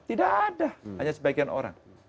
tidak ada hanya sebagian orang